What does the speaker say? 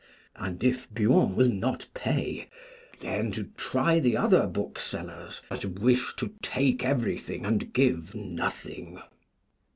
And if Buon will not pay, then to try the other book sellers, 'that wish to take everything and give nothing.'